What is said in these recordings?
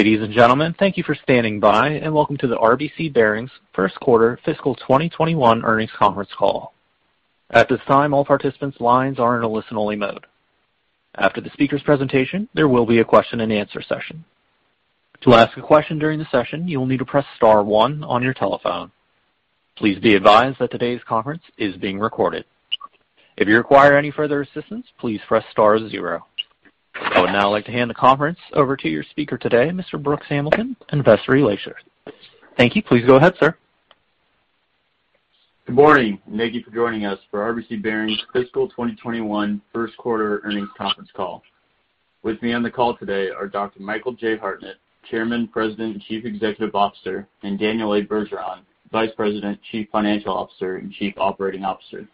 Ladies and gentlemen, thank you for standing by, and welcome to the RBC Bearings First Quarter Fiscal 2021 Earnings Conference Call. At this time, all participants' lines are in a listen-only mode. After the speaker's presentation, there will be a question-and-answer session. To ask a question during the session, you will need to press star one on your telephone. Please be advised that today's conference is being recorded. If you require any further assistance, please press star zero. I would now like to hand the conference over to your speaker today, Mr. Brooks Hamilton, Investor Relations. Thank you. Please go ahead, sir. Good morning, and thank you for joining us for RBC Bearings Fiscal 2021 First Quarter Earnings Conference Call. With me on the call today are Dr. Michael J. Hartnett, Chairman, President, and Chief Executive Officer, and Daniel A. Bergeron, Vice President, Chief Financial Officer, and Chief Operating Officer.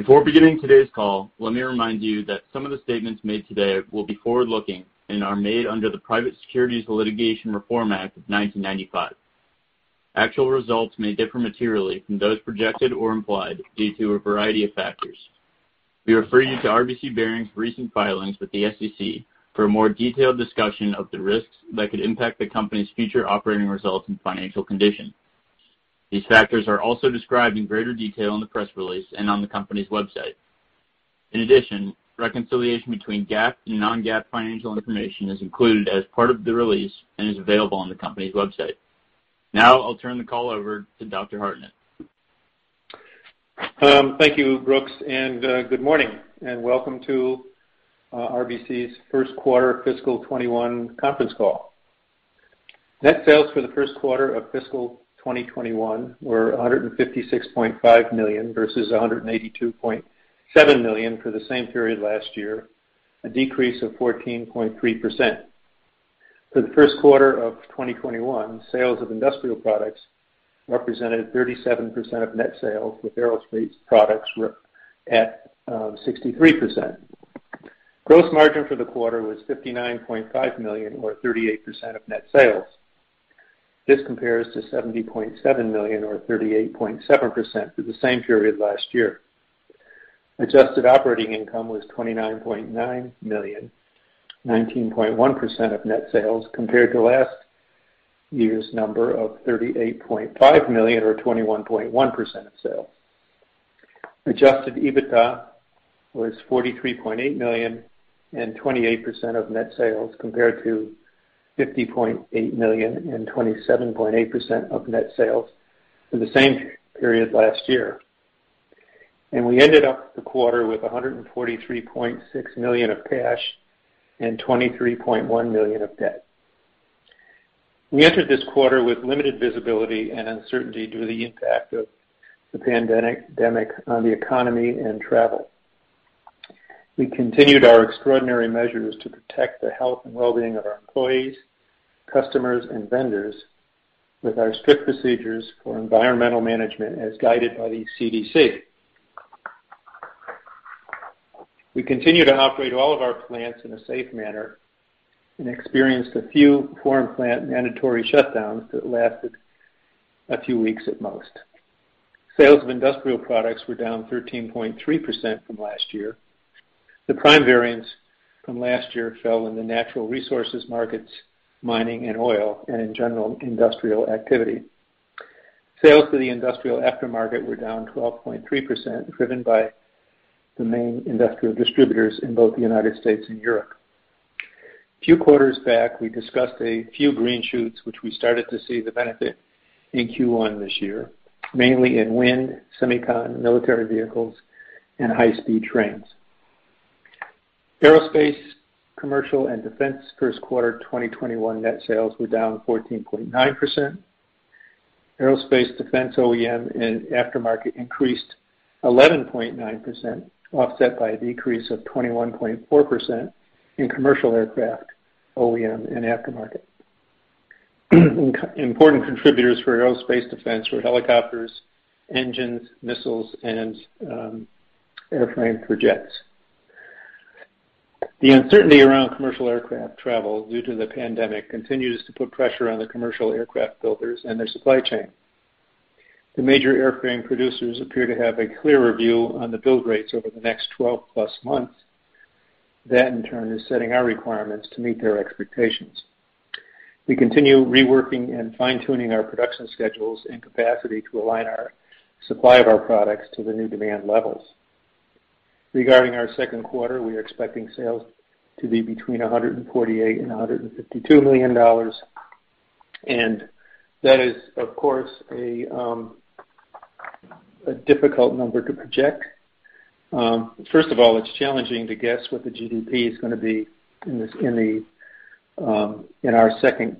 Before beginning today's call, let me remind you that some of the statements made today will be forward-looking and are made under the Private Securities Litigation Reform Act of 1995. Actual results may differ materially from those projected or implied due to a variety of factors. We refer you to RBC Bearings' recent filings with the SEC for a more detailed discussion of the risks that could impact the company's future operating results and financial condition. These factors are also described in greater detail in the press release and on the company's website. In addition, reconciliation between GAAP and non-GAAP financial information is included as part of the release and is available on the company's website. Now, I'll turn the call over to Dr. Hartnett. Thank you, Brooks, and good morning, and welcome to RBC's first quarter fiscal 2021 conference call. Net sales for the first quarter of fiscal 2021 were $156.5 million versus $182.7 million for the same period last year, a decrease of 14.3%. For the first quarter of 2021, sales of industrial products represented 37% of net sales, with aerospace products were at 63%. Gross margin for the quarter was $59.5 million, or 38% of net sales. This compares to $70.7 million, or 38.7%, for the same period last year. Adjusted operating income was $29.9 million, 19.1% of net sales, compared to last year's number of $38.5 million or 21.1% of sales. Adjusted EBITDA was $43.8 million and 28% of net sales, compared to $50.8 million and 27.8% of net sales for the same period last year. We ended up the quarter with $143.6 million of cash and $23.1 million of debt. We entered this quarter with limited visibility and uncertainty due to the impact of the pandemic on the economy and travel. We continued our extraordinary measures to protect the health and well-being of our employees, customers, and vendors with our strict procedures for environmental management as guided by the CDC. We continue to operate all of our plants in a safe manner and experienced a few foreign plant mandatory shutdowns that lasted a few weeks at most. Sales of industrial products were down 13.3% from last year. The prime variance from last year fell in the natural resources markets, mining and oil, and in general, industrial activity. Sales to the industrial aftermarket were down 12.3%, driven by the main industrial distributors in both the United States and Europe. A few quarters back, we discussed a few green shoots, which we started to see the benefit in Q1 this year, mainly in wind, semicon, military vehicles, and high-speed trains. Aerospace, commercial, and defense first quarter 2021 net sales were down 14.9%. Aerospace defense OEM and aftermarket increased 11.9%, offset by a decrease of 21.4% in commercial aircraft, OEM and aftermarket. Important contributors for aerospace defense were helicopters, engines, missiles, and airframe for jets. The uncertainty around commercial aircraft travel due to the pandemic continues to put pressure on the commercial aircraft builders and their supply chain. The major airframe producers appear to have a clearer view on the build rates over the next 12+ months. That, in turn, is setting our requirements to meet their expectations. We continue reworking and fine-tuning our production schedules and capacity to align our supply of our products to the new demand levels. Regarding our second quarter, we are expecting sales to be between $148 million and $152 million, and that is, of course, a difficult number to project. First of all, it's challenging to guess what the GDP is gonna be in this, in the, in our second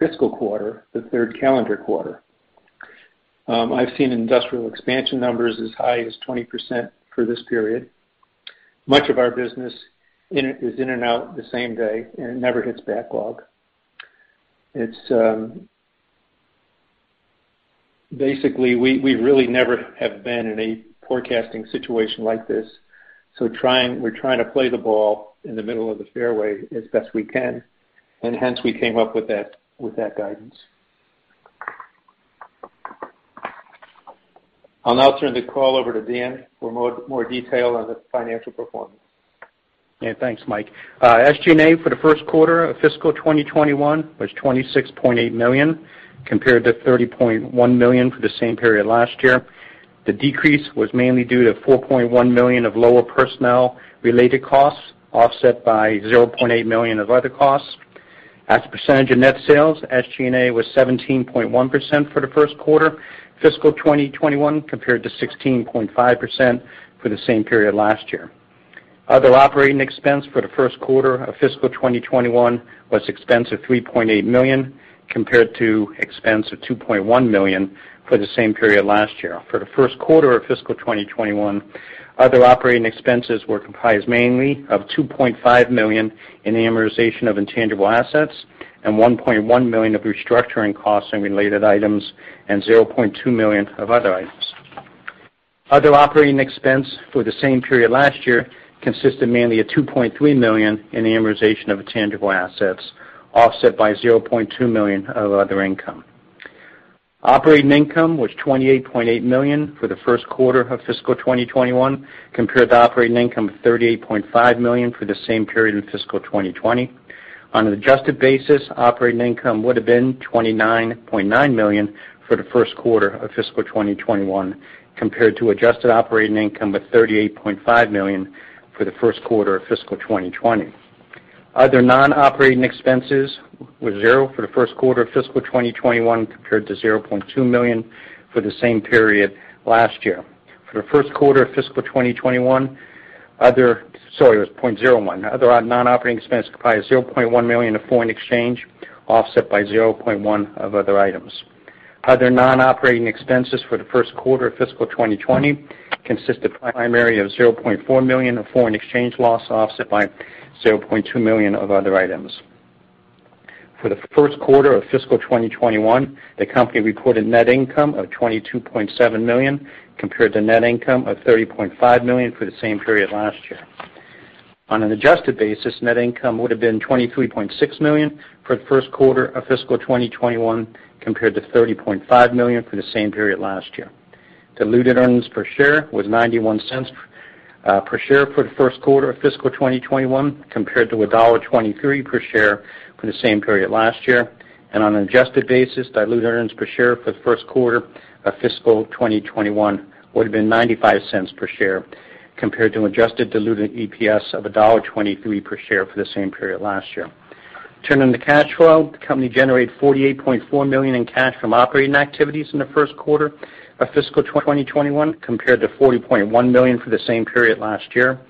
fiscal quarter, the third calendar quarter. I've seen industrial expansion numbers as high as 20% for this period. Much of our business is in and out the same day, and it never hits backlog. It's basically, we really never have been in a forecasting situation like this, so we're trying to play the ball in the middle of the fairway as best we can, and hence, we came up with that, with that guidance. I'll now turn the call over to Dan for more, more detail on the financial performance. Yeah, thanks, Mike. SG&A for the first quarter of fiscal 2021 was $26.8 million, compared to $30.1 million for the same period last year. The decrease was mainly due to $4.1 million of lower personnel related costs, offset by $0.8 million of other costs. As a percentage of net sales, SG&A was 17.1% for the first quarter, fiscal 2021, compared to 16.5% for the same period last year. Other operating expense for the first quarter of fiscal 2021 was expense of $3.8 million, compared to expense of $2.1 million for the same period last year. For the first quarter of fiscal 2021, other operating expenses were comprised mainly of $2.5 million in amortization of intangible assets and $1.1 million of restructuring costs and related items, and $0.2 million of other items. Other operating expense for the same period last year consisted mainly of $2.3 million in the amortization of intangible assets, offset by $0.2 million of other income. Operating income was $28.8 million for the first quarter of fiscal 2021, compared to operating income of $38.5 million for the same period in fiscal 2020. On an adjusted basis, operating income would have been $29.9 million for the first quarter of fiscal 2021, compared to adjusted operating income of $38.5 million for the first quarter of fiscal 2020. Other non-operating expenses were $0 for the first quarter of fiscal 2021, compared to $0.2 million for the same period last year. For the first quarter of fiscal 2021, other... Sorry, it was point zero one. Other non-operating expense comprised of $0.1 million of foreign exchange, offset by zero point one of other items. Other non-operating expenses for the first quarter of fiscal 2020 consisted primarily of $0.4 million of foreign exchange loss, offset by $0.2 million of other items. For the first quarter of fiscal 2021, the company reported net income of $22.7 million, compared to net income of $30.5 million for the same period last year. On an adjusted basis, net income would have been $23.6 million for the first quarter of fiscal 2021, compared to $30.5 million for the same period last year. Diluted earnings per share was $0.91 per share for the first quarter of fiscal 2021, compared to $1.23 per share for the same period last year. On an adjusted basis, diluted earnings per share for the first quarter of fiscal 2021 would have been $0.95 per share, compared to adjusted diluted EPS of $1.23 per share for the same period last year. Turning to cash flow, the company generated $48.4 million in cash from operating activities in the first quarter of fiscal 2021, compared to $40.1 million for the same period last year.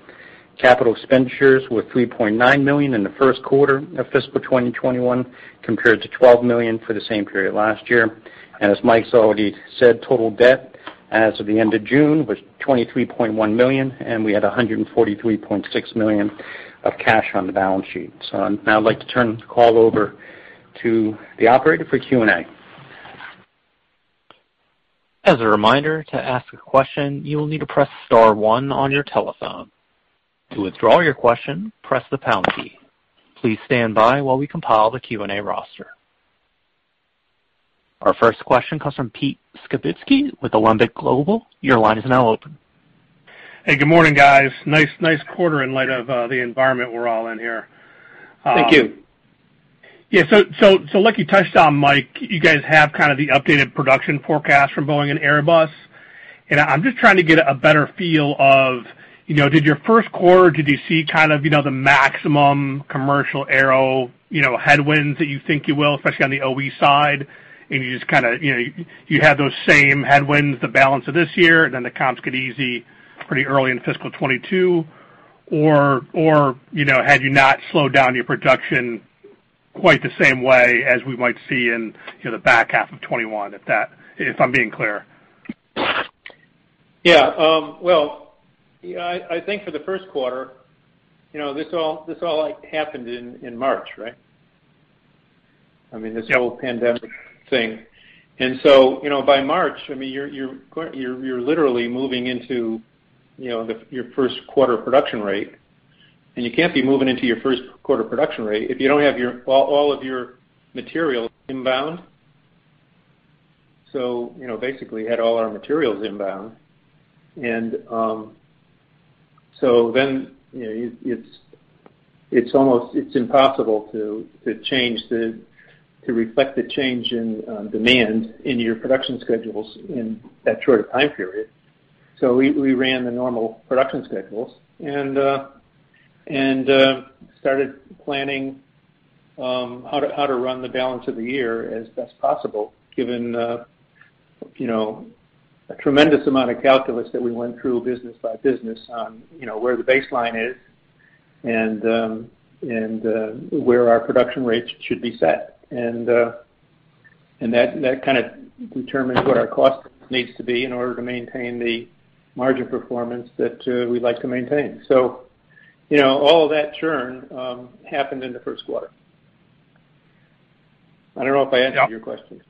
Capital expenditures were $3.9 million in the first quarter of fiscal 2021, compared to $12 million for the same period last year. As Mike's already said, total debt as of the end of June was $23.1 million, and we had $143.6 million of cash on the balance sheet. Now I'd like to turn the call over to the operator for Q&A. As a reminder, to ask a question, you will need to press star one on your telephone. To withdraw your question, press the pound key. Please stand by while we compile the Q&A roster. Our first question comes from Pete Skibitsky with Alembic Global. Your line is now open. Hey, good morning, guys. Nice, nice quarter in light of the environment we're all in here. Thank you. Yeah, so like you touched on, Mike, you guys have kind of the updated production forecast from Boeing and Airbus. And I'm just trying to get a better feel of, you know, did your first quarter, did you see kind of, you know, the maximum commercial aero, you know, headwinds that you think you will, especially on the OE side? And you just kind of, you know, you have those same headwinds, the balance of this year, and then the comps get easy pretty early in fiscal 2022, or, or, you know, had you not slowed down your production quite the same way as we might see in, you know, the back half of 2021, if that—if I'm being clear? Yeah, well, yeah, I think for the first quarter, you know, this all like happened in March, right? I mean, this whole pandemic thing. And so, you know, by March, I mean, you're currently literally moving into, you know, the your first quarter production rate. And you can't be moving into your first quarter production rate if you don't have all of your materials inbound. So, you know, basically had all our materials inbound, and so then, you know, it's almost impossible to change to reflect the change in demand in your production schedules in that short a time period. So we ran the normal production schedules and started planning how to run the balance of the year as best possible, given you know, a tremendous amount of calculus that we went through business by business on, you know, where the baseline is, and where our production rates should be set. And that kind of determines where our cost needs to be in order to maintain the margin performance that we'd like to maintain. So, you know, all of that churn happened in the first quarter. I don't know if I answered your question.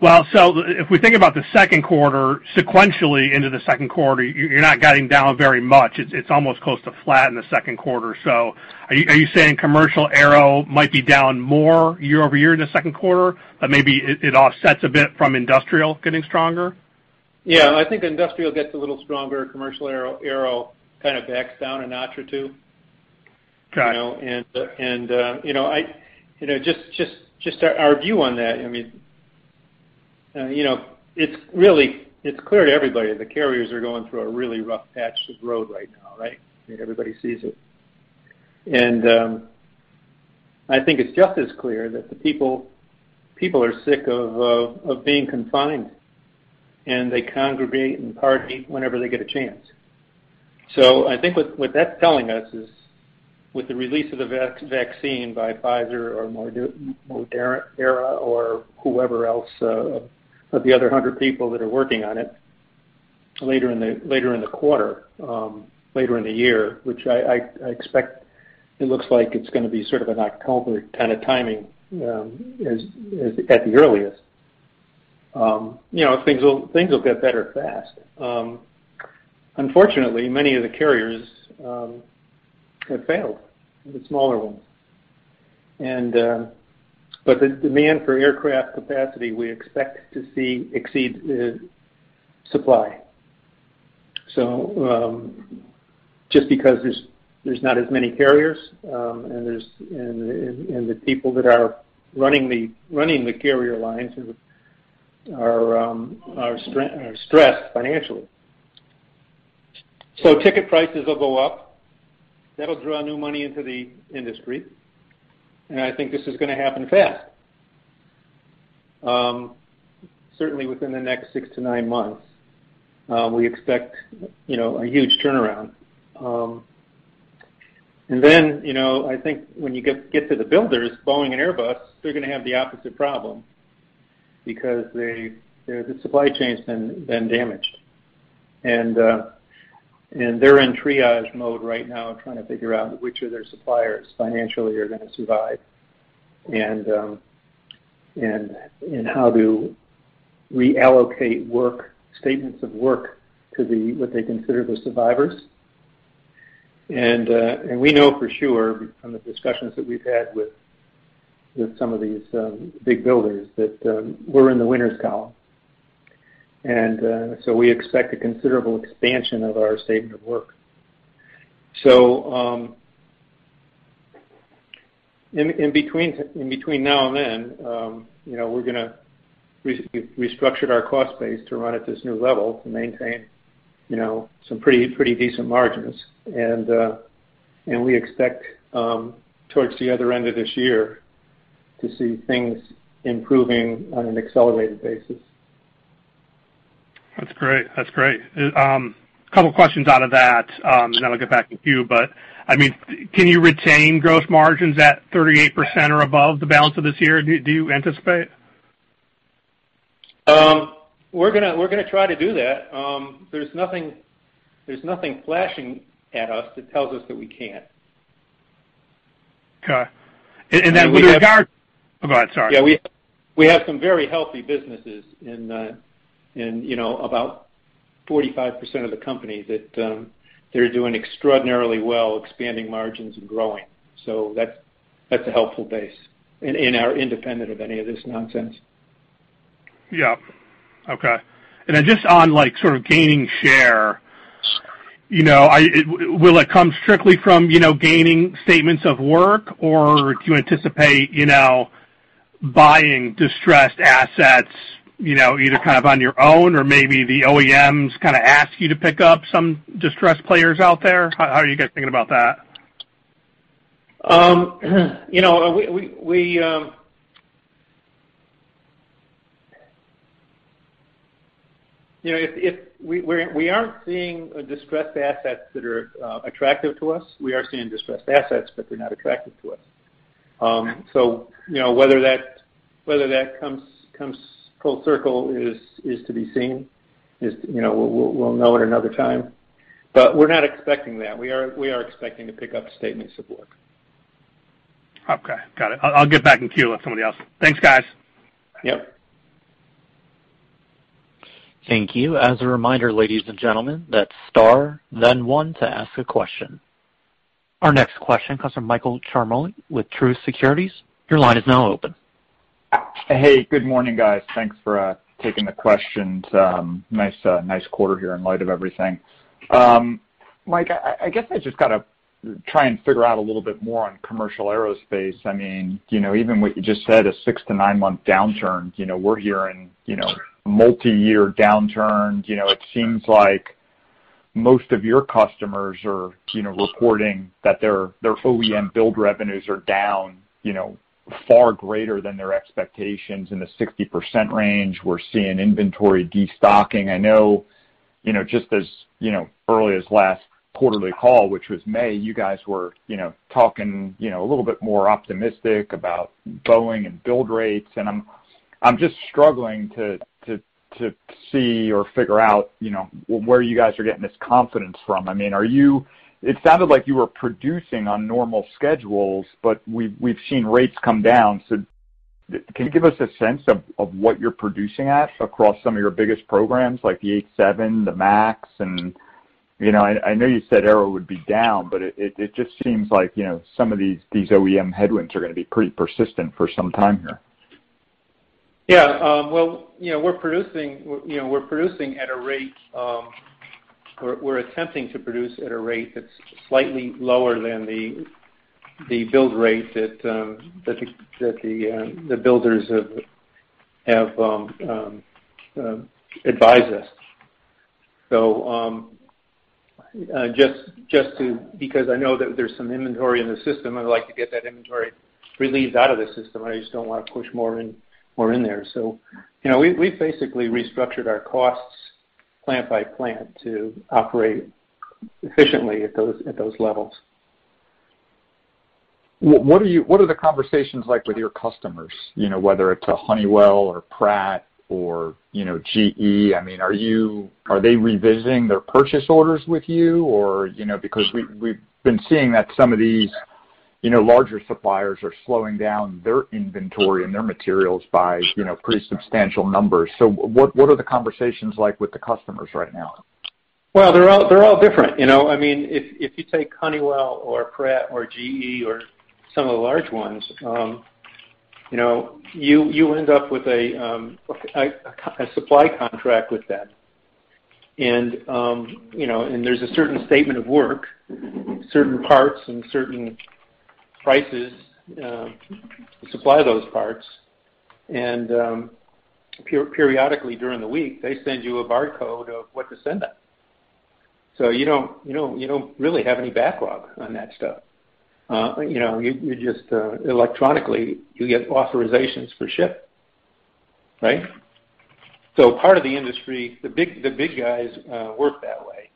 Well, so if we think about the second quarter, sequentially into the second quarter, you're not getting down very much. It's almost close to flat in the second quarter. So are you saying commercial aero might be down more year-over-year in the second quarter, but maybe it offsets a bit from industrial getting stronger?... Yeah, I think industrial gets a little stronger, commercial aero, aero kind of backs down a notch or two. Got it. You know, you know, just our view on that, I mean, you know, it's really clear to everybody that the carriers are going through a really rough patch of road right now, right? I mean, everybody sees it. And I think it's just as clear that the people are sick of being confined, and they congregate and party whenever they get a chance. So I think what that's telling us is, with the release of the vaccine by Pfizer or Moderna or whoever else, of the other hundred people that are working on it, later in the quarter, later in the year, which I expect it looks like it's gonna be sort of an October kind of timing, as at the earliest. You know, things will get better fast. Unfortunately, many of the carriers have failed, the smaller ones. But the demand for aircraft capacity, we expect to see exceed the supply. So, just because there's not as many carriers, and the people that are running the carrier lines are stressed financially. So ticket prices will go up. That'll draw new money into the industry, and I think this is gonna happen fast. Certainly within the next 6 months-9 months, we expect, you know, a huge turnaround. And then, you know, I think when you get to the builders, Boeing and Airbus, they're gonna have the opposite problem because their supply chain's been damaged. They're in triage mode right now, trying to figure out which of their suppliers financially are gonna survive, and how to reallocate work, statements of work to what they consider the survivors. We know for sure from the discussions that we've had with some of these big builders that we're in the winners column. So we expect a considerable expansion of our statement of work. In between now and then, you know, we're gonna restructured our cost base to run at this new level, to maintain, you know, some pretty decent margins. We expect towards the other end of this year to see things improving on an accelerated basis. That's great. That's great. A couple questions out of that, and then I'll get back in queue. But, I mean, can you retain gross margins at 38% or above the balance of this year, do you anticipate? We're gonna, we're gonna try to do that. There's nothing, there's nothing flashing at us that tells us that we can't. Okay. And then with regard- We have- Go ahead, sorry. Yeah, we have some very healthy businesses in, you know, about 45% of the company that they're doing extraordinarily well, expanding margins and growing. So that's a helpful base, and are independent of any of this nonsense. Yeah. Okay. And then just on, like, sort of gaining share, you know, will it come strictly from, you know, gaining statements of work, or do you anticipate, you know, buying distressed assets, you know, either kind of on your own or maybe the OEMs kind of ask you to pick up some distressed players out there? How are you guys thinking about that? You know, if we're, we aren't seeing distressed assets that are attractive to us. We are seeing distressed assets, but they're not attractive to us. So, you know, whether that comes full circle is to be seen, you know, we'll know at another time. But we're not expecting that. We are expecting to pick up statements of work. Okay, got it. I'll, I'll get back in queue with somebody else. Thanks, guys. Yep. Thank you. As a reminder, ladies and gentlemen, that's star then one to ask a question. Our next question comes from Michael Ciarmoli with Truist Securities. Your line is now open. Hey, good morning, guys. Thanks for taking the questions. Nice, nice quarter here in light of everything. Mike, I guess I just gotta try and figure out a little bit more on commercial aerospace. I mean, you know, even what you just said, a 6-month to 9-month downturn. You know, we're hearing, you know, multiyear downturns. You know, it seems like most of your customers are, you know, reporting that their, their OEM build revenues are down, you know, far greater than their expectations in the 60% range. We're seeing inventory destocking. I know, you know, just as, you know, early as last quarterly call, which was May, you guys were, you know, talking, you know, a little bit more optimistic about Boeing and build rates. I'm just struggling to see or figure out, you know, where you guys are getting this confidence from. I mean, are you? It sounded like you were producing on normal schedules, but we've seen rates come down. So can you give us a sense of what you're producing at across some of your biggest programs, like the 787, the MAX, and... You know, I know you said Aero would be down, but it just seems like, you know, some of these OEM headwinds are gonna be pretty persistent for some time here. Yeah, well, you know, we're producing, you know, we're producing at a rate, we're attempting to produce at a rate that's slightly lower than the build rate that the builders have advised us. So, just to, because I know that there's some inventory in the system, I'd like to get that inventory relieved out of the system. I just don't want to push more in, more in there. So, you know, we've basically restructured our costs plant by plant to operate efficiently at those levels. What are the conversations like with your customers? You know, whether it's a Honeywell or Pratt or, you know, GE. I mean, are they revisiting their purchase orders with you, or... You know, because we've been seeing that some of these, you know, larger suppliers are slowing down their inventory and their materials by, you know, pretty substantial numbers. So what are the conversations like with the customers right now? Well, they're all different. You know, I mean, if you take Honeywell or Pratt or GE or some of the large ones, you know, you end up with a supply contract with them. And you know, and there's a certain statement of work, certain parts and certain prices to supply those parts. And periodically during the week, they send you a barcode of what to send them. So you don't really have any backlog on that stuff. You know, you just electronically get authorizations for ship, right? So part of the industry, the big guys work that way.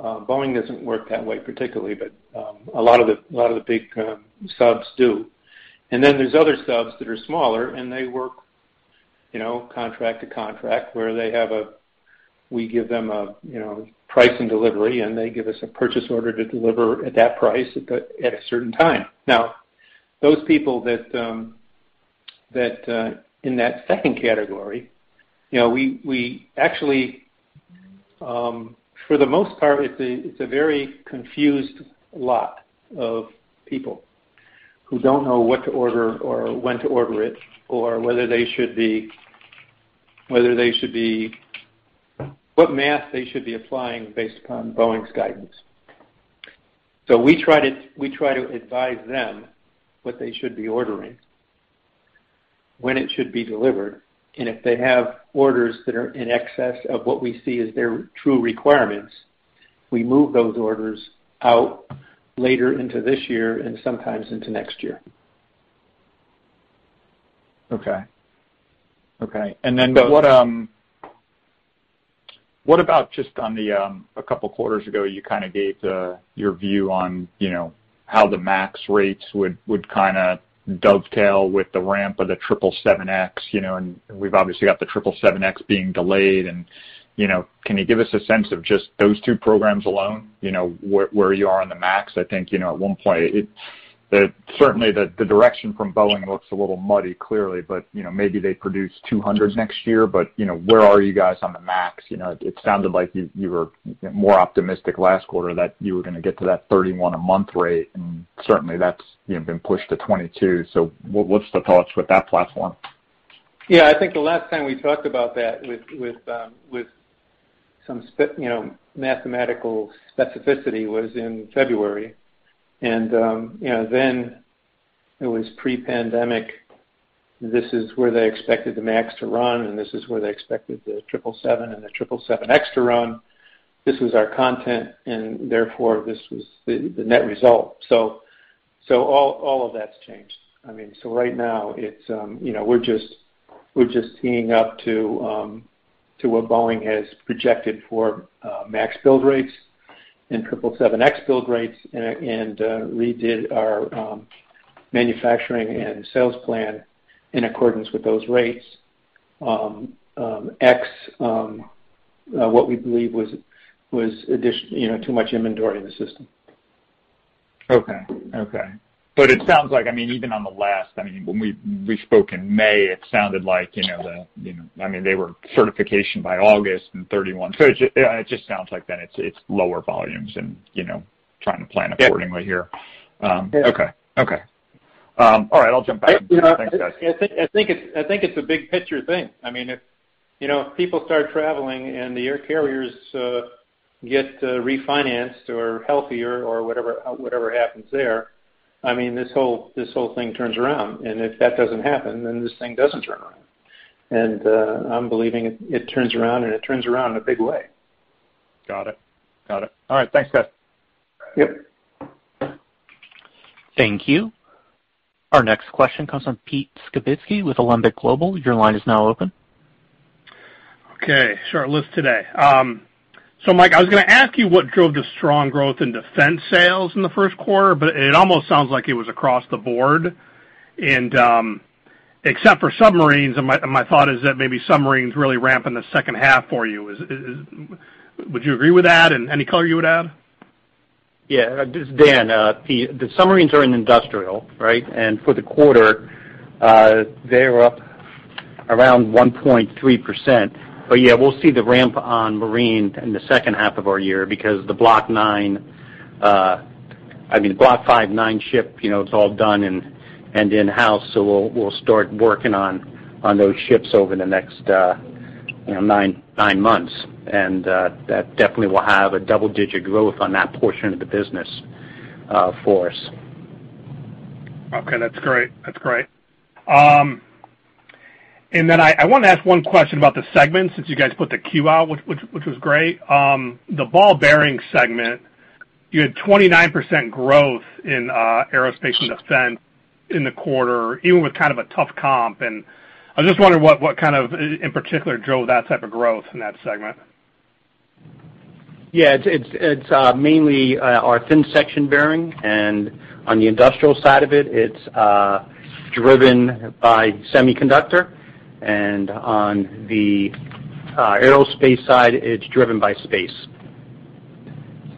Boeing doesn't work that way, particularly, but a lot of the big subs do. And then there's other subs that are smaller, and they work, you know, contract to contract, where they have a we give them a, you know, price and delivery, and they give us a purchase order to deliver at that price at a certain time. Now, those people that in that second category, you know, we actually for the most part, it's a very confused lot of people who don't know what to order or when to order it, or whether they should be what math they should be applying based upon Boeing's guidance. We try to, we try to advise them what they should be ordering, when it should be delivered, and if they have orders that are in excess of what we see as their true requirements, we move those orders out later into this year and sometimes into next year. Okay. Okay, and then what, what about just on the, a couple quarters ago, you kind of gave your view on, you know, how the MAX rates would kind of dovetail with the ramp of the 777X, you know, and we've obviously got the 777X being delayed and, you know, can you give us a sense of just those two programs alone? You know, where you are on the MAX? I think, you know, at one point, certainly the direction from Boeing looks a little muddy, clearly, but, you know, maybe they produce 200 next year. But, you know, where are you guys on the MAX? You know, it sounded like you were more optimistic last quarter that you were gonna get to that 31 a month rate, and certainly that's, you know, been pushed to 22. So what's the thoughts with that platform? Yeah, I think the last time we talked about that with some specificity you know, mathematical specificity was in February. And, you know, then it was pre-pandemic. This is where they expected the MAX to run, and this is where they expected the 777 and the 777X to run. This was our content, and therefore, this was the net result. So all of that's changed. I mean, so right now it's, you know, we're just, we're just teeing up to what Boeing has projected for MAX build rates and 777X build rates, and, and, redid our manufacturing and sales plan in accordance with those rates, X what we believe was additional, you know, too much inventory in the system. Okay. But it sounds like, I mean, even on the last, I mean, when we spoke in May, it sounded like, you know, the, you know, I mean, they were certification by August and 31. So it just sounds like then it's lower volumes and, you know, trying to plan accordingly here. Yeah. Okay. Okay. All right, I'll jump back. Thanks, guys. I think it's a big picture thing. I mean, if you know, people start traveling and the air carriers get refinanced or healthier or whatever, whatever happens there, I mean, this whole, this whole thing turns around, and if that doesn't happen, then this thing doesn't turn around. And I'm believing it turns around, and it turns around in a big way. Got it. Got it. All right. Thanks, guys. Yep. Thank you. Our next question comes from Pete Skibitsky with Alembic Global. Your line is now open. Okay, sure. List today. So Mike, I was gonna ask you what drove the strong growth in defense sales in the first quarter, but it almost sounds like it was across the board. And except for submarines, and my thought is that maybe submarines really ramp in the second half for you. Would you agree with that? And any color you would add?... Yeah, this is Dan. The submarines are in industrial, right? And for the quarter, they're up around 1.3%. But yeah, we'll see the ramp on marine in the second half of our year because the Block nine, I mean, Block V nine-ship, you know, it's all done and in-house, so we'll start working on those ships over the next, you know, nine months. And that definitely will have double-digit growth on that portion of the business for us. Okay, that's great. That's great. And then I wanna ask one question about the segments, since you guys put the Q out, which was great. The ball bearing segment, you had 29% growth in aerospace and defense in the quarter, even with kind of a tough comp. And I just wondered what kind of, in particular, drove that type of growth in that segment? Yeah, it's mainly our thin section bearing, and on the industrial side of it, it's driven by semiconductor. And on the aerospace side, it's driven by space.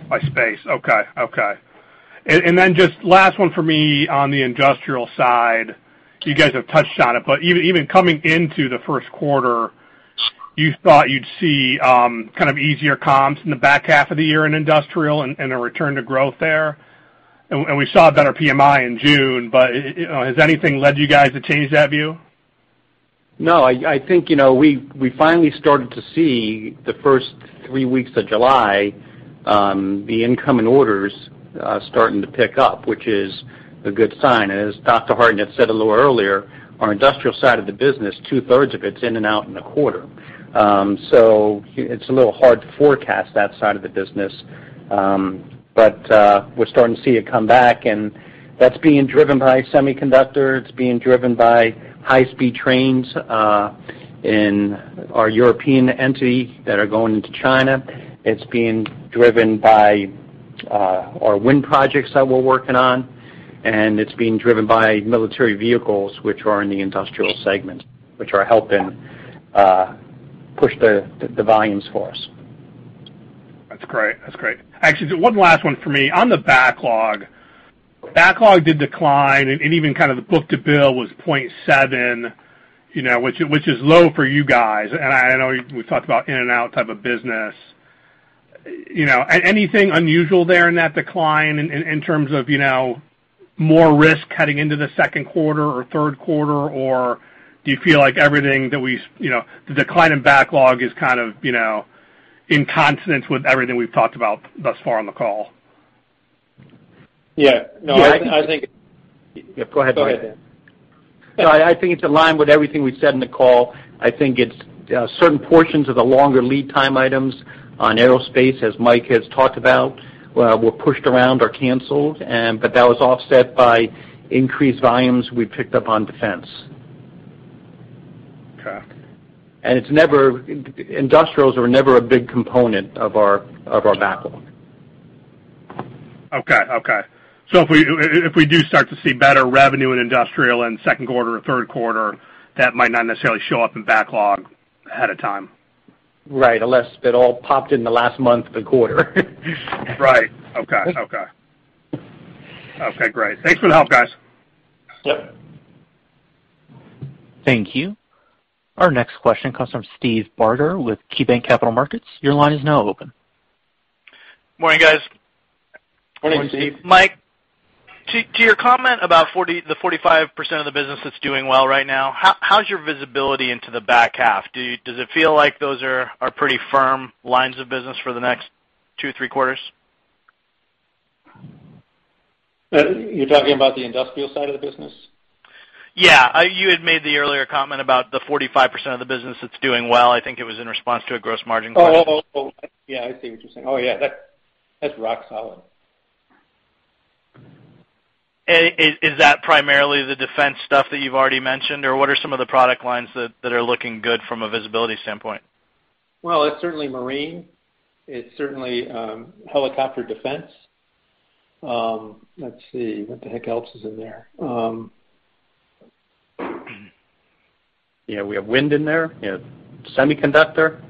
By space, okay. Okay. And then just last one for me on the industrial side. You guys have touched on it, but even coming into the first quarter, you thought you'd see kind of easier comps in the back half of the year in industrial and a return to growth there? And we saw a better PMI in June, but you know, has anything led you guys to change that view? No, I think, you know, we finally started to see the first three weeks of July, the incoming orders starting to pick up, which is a good sign. And as Dr. Hartnett had said a little earlier, our industrial side of the business, 2/3 of it's in and out in a quarter. So it's a little hard to forecast that side of the business. But we're starting to see it come back, and that's being driven by semiconductor. It's being driven by high-speed trains in our European entity that are going into China. It's being driven by our wind projects that we're working on, and it's being driven by military vehicles, which are in the industrial segment, which are helping push the volumes for us. That's great. That's great. Actually, one last one for me. On the backlog, backlog did decline, and even kind of the book-to-bill was 0.7, you know, which is low for you guys. And I know we talked about in and out type of business. You know, anything unusual there in that decline in terms of, you know, more risk heading into the second quarter or third quarter? Or do you feel like everything that we, you know, the decline in backlog is kind of, you know, in consonance with everything we've talked about thus far on the call? Yeah. No, I think- Yeah, go ahead, Dan. No, I think it's in line with everything we've said in the call. I think it's, certain portions of the longer lead time items on aerospace, as Mike has talked about, were pushed around or canceled, and, but that was offset by increased volumes we picked up on defense. Okay. Industrials are never a big component of our, of our backlog. Okay, okay. So if we do start to see better revenue in industrial in second quarter or third quarter, that might not necessarily show up in backlog ahead of time? Right, unless it all popped in the last month of the quarter. Right. Okay. Okay. Okay, great. Thanks for the help, guys. Yep. Thank you. Our next question comes from Steve Barger with KeyBanc Capital Markets. Your line is now open. Morning, guys. Morning, Steve. Mike, to your comment about 45% of the business that's doing well right now, how's your visibility into the back half? Does it feel like those are pretty firm lines of business for the next two, three quarters? You're talking about the industrial side of the business? Yeah. You had made the earlier comment about the 45% of the business that's doing well. I think it was in response to a gross margin question. Oh, oh, oh. Yeah, I see what you're saying. Oh, yeah, that's, that's rock solid. Is that primarily the defense stuff that you've already mentioned, or what are some of the product lines that are looking good from a visibility standpoint? Well, it's certainly marine. It's certainly helicopter defense. Let's see, what the heck else is in there? Yeah, we have wind in there. We have semiconductor.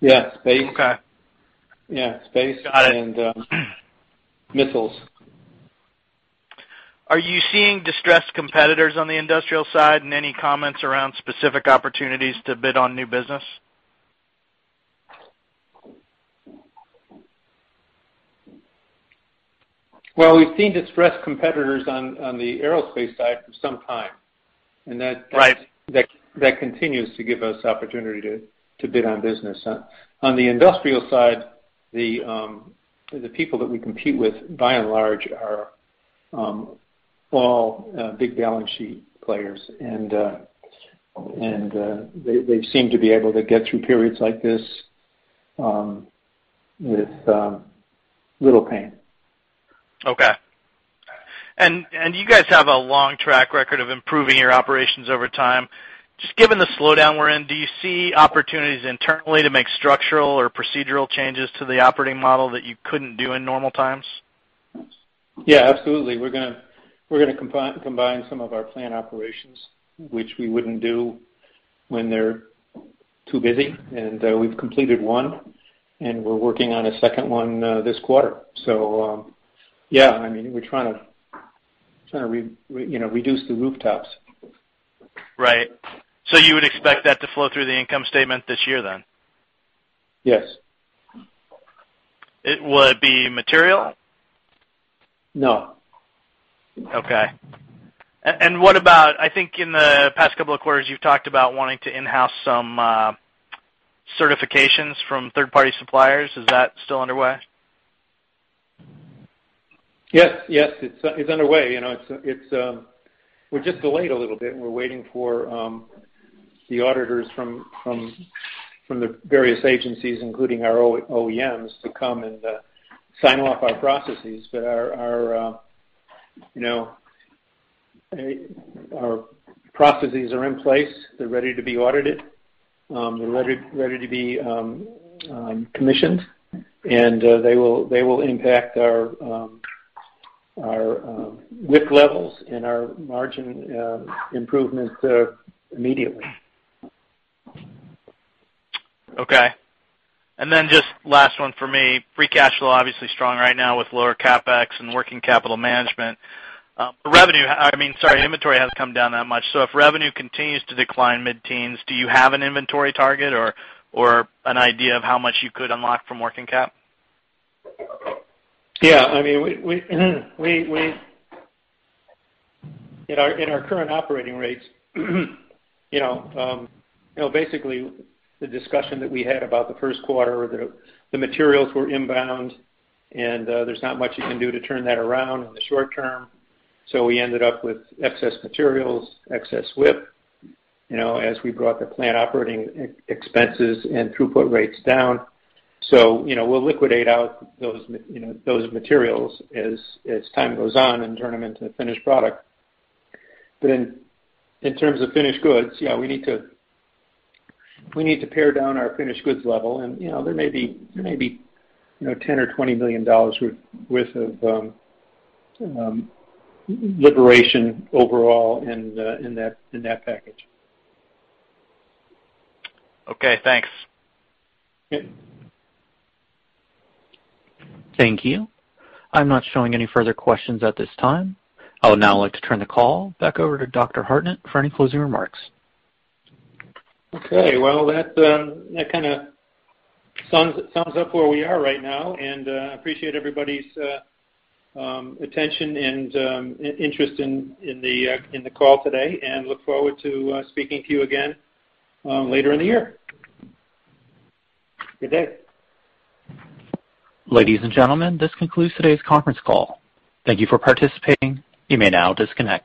Yeah, space. Okay. Yeah, space- Got it. And, missiles. Are you seeing distressed competitors on the industrial side, and any comments around specific opportunities to bid on new business? Well, we've seen distressed competitors on the aerospace side for some time, and that- Right... that continues to give us opportunity to bid on business. On the industrial side, the people that we compete with, by and large, are all big balance sheet players, and they seem to be able to get through periods like this, with little pain. Okay. And, and you guys have a long track record of improving your operations over time. Just given the slowdown we're in, do you see opportunities internally to make structural or procedural changes to the operating model that you couldn't do in normal times?... Yeah, absolutely. We're gonna combine some of our plant operations, which we wouldn't do when they're too busy, and we've completed one, and we're working on a second one this quarter. So, yeah, I mean, we're trying to reduce the rooftops. Right. So you would expect that to flow through the income statement this year then? Yes. It would be material? No. Okay. And what about, I think in the past couple of quarters, you've talked about wanting to in-house some certifications from third-party suppliers. Is that still underway? Yes, yes, it's underway. You know, it's underway. We're just delayed a little bit, and we're waiting for the auditors from the various agencies, including our OEMs, to come and sign off our processes. But our processes are in place. They're ready to be audited. They're ready to be commissioned, and they will impact our WIP levels and our margin improvements immediately. Okay. And then just last one for me. Free cash flow, obviously strong right now with lower CapEx and working capital management. But revenue, I mean, sorry, inventory hasn't come down that much. So if revenue continues to decline mid-teens, do you have an inventory target or, or an idea of how much you could unlock from working cap? Yeah, I mean, we mm-hmm we-- In our current operating rates, you know, you know, basically the discussion that we had about the first quarter, the materials were inbound, and there's not much you can do to turn that around in the short term. So we ended up with excess materials, excess WIP, you know, as we brought the plant operating expenses and throughput rates down. So, you know, we'll liquidate out those materials, you know, as time goes on and turn them into a finished product. But in terms of finished goods, yeah, we need to pare down our finished goods level, and, you know, there may be, you know, $10 million-$20 million worth of liquidation overall in that package. Okay, thanks. Yep. Thank you. I'm not showing any further questions at this time. I would now like to turn the call back over to Dr. Hartnett for any closing remarks. Okay, well, that kind of sums up where we are right now, and I appreciate everybody's attention and interest in the call today. And look forward to speaking to you again later in the year. Good day. Ladies and gentlemen, this concludes today's conference call. Thank you for participating. You may now disconnect.